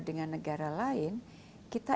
dengan negara lain kita